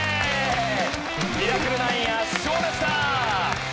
ミラクル９圧勝でした！